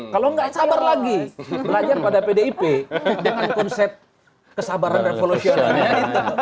kalau nggak sabar lagi belajar pada pdip dengan konsep kesabaran revolusionalitas